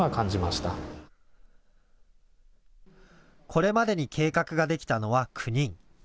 これまでに計画ができたのは９人。